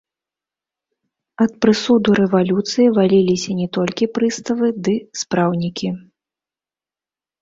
Ад прысуду рэвалюцыі валіліся не толькі прыставы ды спраўнікі.